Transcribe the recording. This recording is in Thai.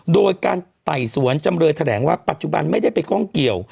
โดยการไต่สวนจำเลยแถลงว่าปัจจุบันไม่ได้ไปข้องเกี่ยว